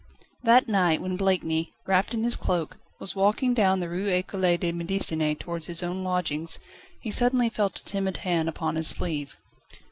That night, when Blakeney, wrapped in his cloak, was walking down the Rue Ecole de Médecine towards his own lodgings, he suddenly felt a timid hand upon his sleeve.